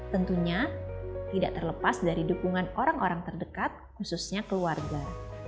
tentunya tidak terlepas dari dukungan orang orang terdekat khususnya keluarga